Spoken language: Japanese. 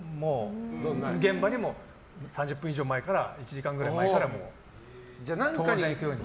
現場にも３０分以上前１時間くらい前から当然行くように。